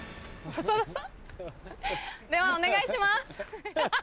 判定お願いします。